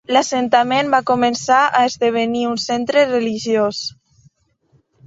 L'assentament va començar a esdevenir un centre religiós.